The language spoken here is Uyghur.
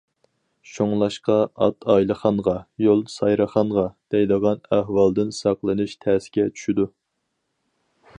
شۇڭلاشقا« ئات ئايلىخانغا، يول سارىخانغا» دەيدىغان ئەھۋالدىن ساقلىنىش تەسكە چۈشىدۇ.